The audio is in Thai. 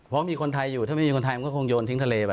เพราะมีคนไทยอยู่ถ้าไม่มีคนไทยมันก็คงโยนทิ้งทะเลไป